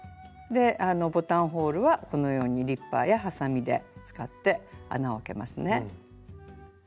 ボタンホールはこのようにリッパーやハサミで使って穴を開けますね。